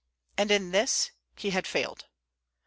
And in this he had failed.